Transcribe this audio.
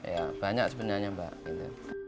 ya banyak sebenarnya pak